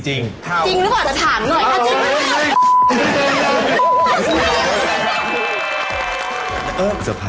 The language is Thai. จริงด้วยก่อนแต่ถามกันหน่อยค่ะ